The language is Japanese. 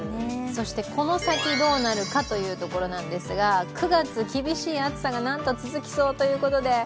そしてこの先どうなるかというところなんですが９月、厳しい暑さが続きそうということで。